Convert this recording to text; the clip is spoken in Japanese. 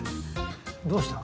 どうした？